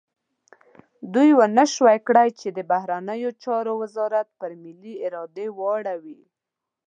دوی ونه شو کړای چې د بهرنیو چارو وزارت پر ملي ارادې واړوي.